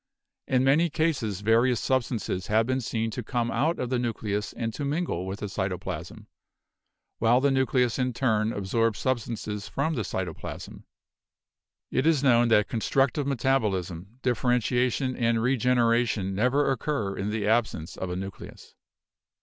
In many cases vari ous substances have been seen to come out of the nucleus and to mingle with the cytoplasm, while the nucleus in turn absorbs substances from the cytoplasm. It is known that constructive metabolism, differentiation and regenera tion never occur in the absence of a nucleus.